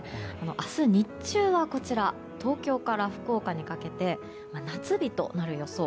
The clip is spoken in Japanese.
明日日中は東京から福岡にかけて夏日となる予想。